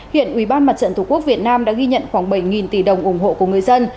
hiện ubnd việt nam đã ghi nhận khoảng bảy tỷ đồng ủng hộ của người dân